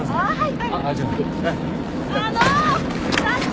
はい！